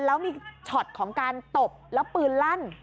แล้วมีช็อตของการตบแล้วปืนลั่น